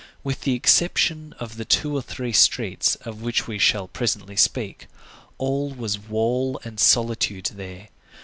With the exception of the two or three streets, of which we shall presently speak, all was wall and solitude there.